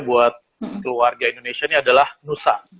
buat keluarga indonesia ini adalah nusa